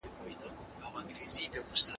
لکه څنګه چي رسول مقبول صلی الله عليه وسلم فرمايي.